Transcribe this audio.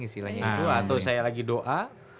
istilahnya itu atau saya lagi doa